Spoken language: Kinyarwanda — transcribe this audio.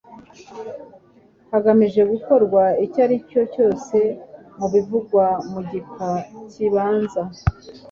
hagamijwe gukorwa icyo ari cyo cyose mu bivugwa mu gika kibanza.